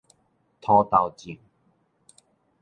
塗豆醬